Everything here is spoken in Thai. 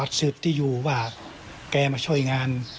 คนสถาทางวัดขอมาช่วยนะ